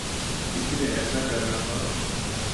کس نے ایسا کرنا تھا؟